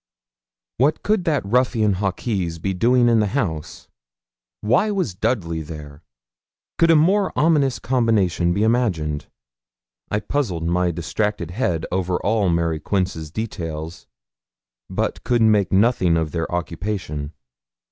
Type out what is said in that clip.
What could that ruffian, Hawkes, be doing in the house? Why was Dudley there? Could a more ominous combination be imagined? I puzzled my distracted head over all Mary Quince's details, but could make nothing of their occupation.